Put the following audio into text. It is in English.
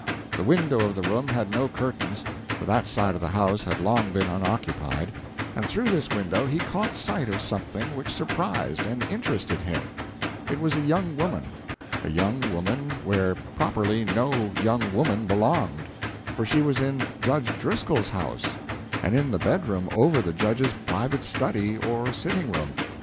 The window of the room had no curtains, for that side of the house had long been unoccupied, and through this window he caught sight of something which surprised and interested him. It was a young woman a young woman where properly no young woman belonged; for she was in Judge Driscoll's house, and in the bedroom over the Judge's private study or sitting room.